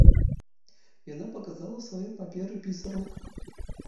Яна паказала свае паперы пісару.